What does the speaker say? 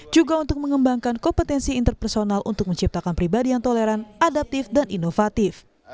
juga untuk mengembangkan kompetensi interpersonal untuk menciptakan pribadi yang toleran adaptif dan inovatif